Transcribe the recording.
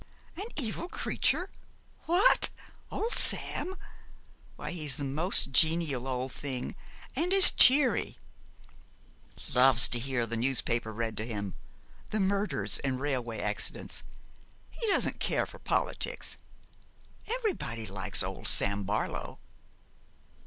'An evil creature! What, old Sam? Why he is the most genial old thing, and as cheery loves to hear the newspaper read to him the murders and railway accidents. He doesn't care for politics. Everybody likes old Sam Barlow.'